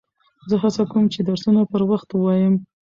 زه هڅه کوم، چي درسونه پر وخت ووایم.